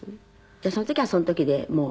じゃあその時はその時でもう。